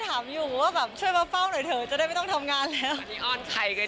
ถามอยู่ว่าแบบช่วยมาเฝ้าหน่อยเถอะจะได้ไม่ต้องทำงานแล้วนี่อ้อนใครกัน